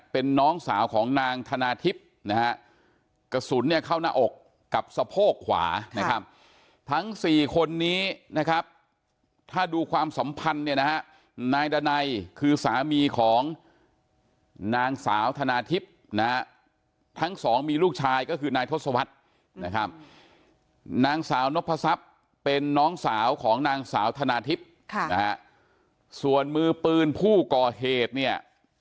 เป็นน้องสาวของนางธนาทิพย์นะฮะกระสุนเนี่ยเข้าหน้าอกกับสะโพกขวานะครับทั้งสี่คนนี้นะครับถ้าดูความสัมพันธ์เนี่ยนะฮะนายดานัยคือสามีของนางสาวธนาทิพย์นะฮะทั้งสองมีลูกชายก็คือนายทศวรรษนะครับนางสาวนพศัพย์เป็นน้องสาวของนางสาวธนาทิพย์ค่ะนะฮะส่วนมือปืนผู้ก่อเหตุเนี่ย